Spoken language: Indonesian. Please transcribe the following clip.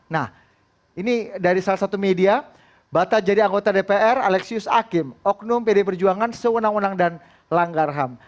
nah ini dari salah satu media bata jadi anggota dpr alexius akim oknum pd perjuangan sewenang wenang dan langgarham